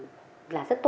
đó là những điều